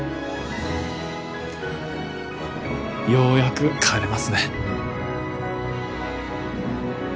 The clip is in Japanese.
ようやく帰れますね。